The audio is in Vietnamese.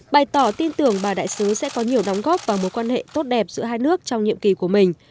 bày tỏ tin tưởng bà đại sứ sẽ có nhiều đóng góp vào mối quan hệ tốt đẹp giữa hai nước trong nhiệm kỳ của mình